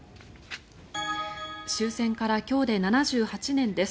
終戦から今日で７８年です。